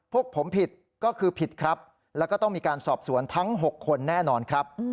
พวกผมผิดก็คือผิดครับแล้วก็ต้องมีการสอบสวนทั้ง๖คนแน่นอนครับ